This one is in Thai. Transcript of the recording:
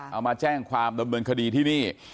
เอามาแจ้งความดำเนินคดีที่นี่